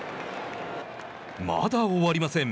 まだ終わりません。